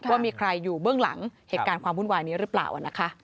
ว่ามีใครอยู่เบื้องหลังเหตุการณ์ความวุ่นวายนี้หรือเปล่านะคะ